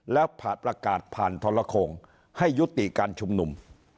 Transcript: แล้วประกาศผ่านทรโคงให้ยุติการชุมนุม